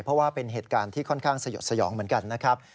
เพราะว่าเป็นเหตุการณ์ที่ค่อนข้างสยดสยองเหมือนกันนะครับ